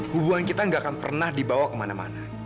hubungan kita gak akan pernah dibawa kemana mana